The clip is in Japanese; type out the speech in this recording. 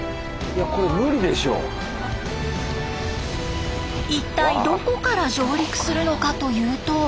一体どこから上陸するのかというと。